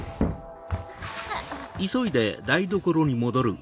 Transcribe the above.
あっ。